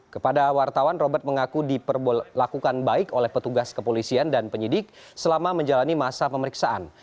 kepada wartawan robert mengaku diperlakukan baik oleh petugas kepolisian dan penyidik selama menjalani masa pemeriksaan